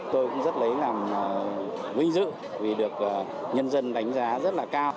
tôi cũng rất lấy làm vinh dự vì được nhân dân đánh giá rất là cao